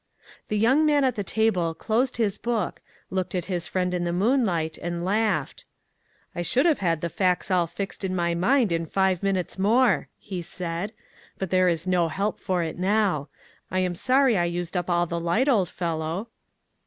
The young man at the table closed his book, looked at his friend in the moonlight, and laughed. "I should have had the facts all fixed in my mind in five minutes more," he said, " but there is no help for it now. I am sorry I used up all the light, old fellow."